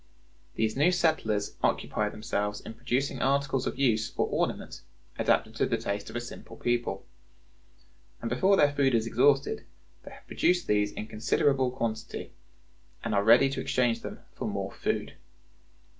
These new settlers occupy themselves in producing articles of use or ornament adapted to the taste of a simple people; and before their food is exhausted they have produced these in considerable quantity, and are ready to exchange them for more food.